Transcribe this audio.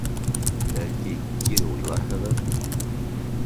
Бәлки, кире уйларһығыҙ.